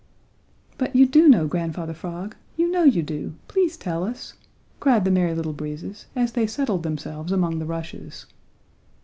"But you do know, Grandfather Frog, you know you do. Please tell us!" cried the Merry Little Breezes as they settled themselves among the rushes.